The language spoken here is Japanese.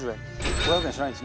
５００円しないんですね